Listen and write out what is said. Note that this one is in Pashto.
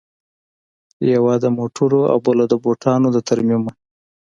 یوه د موټرو او بله د بوټانو د ترمیم وه